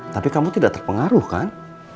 tapi kamu tidak terpengaruh kan